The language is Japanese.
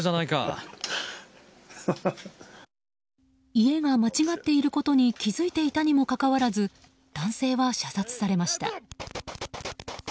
家が間違っていることに気づいていたにもかかわらず男性は射殺されました。